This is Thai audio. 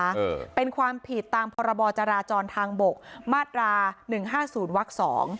เออเป็นความผิดตามพรบจราจรทางบกมาตราหนึ่งห้าศูนย์วักสอง